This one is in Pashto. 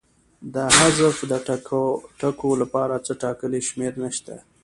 د حذف د ټکو لپاره څه ټاکلې شمېر نشته.